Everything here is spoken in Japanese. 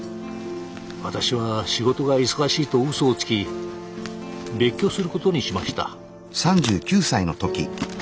私は仕事が忙しいと嘘をつき別居することにしました。